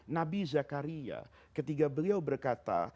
nabi zakaria ketika beliau berkata